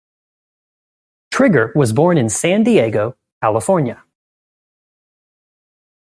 Trigger was born in San Diego, California.